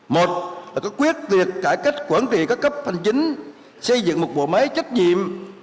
một là có quyết liệt cải cách quản trị các cấp hành chính xây dựng một bộ máy trách nhiệm